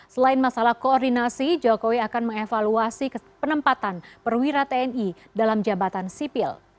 selain masalah koordinasi jokowi akan mengevaluasi penempatan perwira tni dalam jabatan sipil